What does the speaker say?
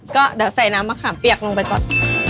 ก็ใส่น้ำมะคามเปรียกลงไปก่อน